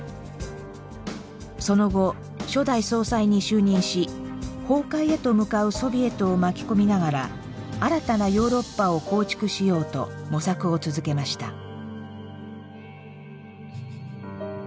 その後初代総裁に就任し崩壊へと向かうソビエトを巻き込みながら新たなヨーロッパを構築しようと模索を続けました。